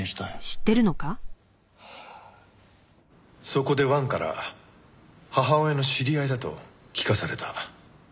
そこで王から母親の知り合いだと聞かされた。